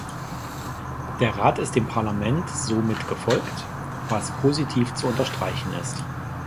Der Rat ist dem Parlament somit gefolgt, was positiv zu unterstreichen ist.